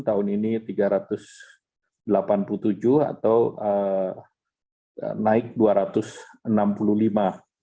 tahun ini tiga ratus delapan puluh tujuh atau naik rp dua ratus enam puluh lima